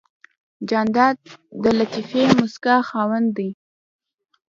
جانداد د لطیفې موسکا خاوند دی.